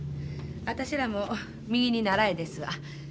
私らも右にならえですわ。